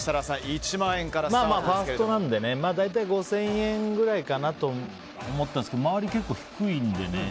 １万円からスタートですがファーストなんで大体５０００円ぐらいかなと思ったんですけど周り、結構低いのでね。